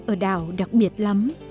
ở đảo đặc biệt lắm